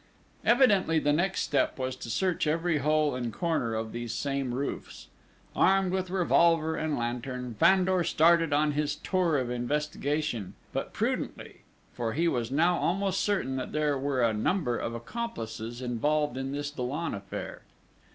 Evidently the next step was to search every hole and corner of these same roofs. Armed with revolver and lantern, Fandor started on his tour of investigation; but prudently, for he was now almost certain that there were a number of accomplices involved in this Dollon affair.